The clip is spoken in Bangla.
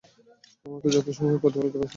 আমি তো জগতসমূহের প্রতিপালকের রাসূল।